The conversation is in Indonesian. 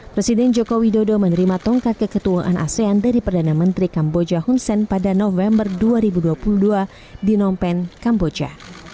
presiden joko widodo menerima tongkat keketuaan asean dari perdana menteri kamboja hun sen pada november dua ribu dua puluh dua di phnom penh kamboja